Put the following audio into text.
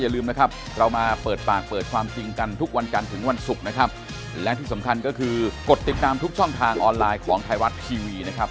และที่สำคัญก็คือกดติดตามทุกช่องทางออนไลน์ของไทยรัฐทีวีนะครับ